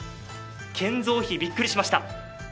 建造費、びっくりしました。